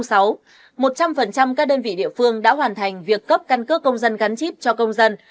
một trăm linh các đơn vị địa phương đã hoàn thành việc cấp căn cước công dân gắn chip cho công dân